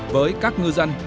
với các ngư dân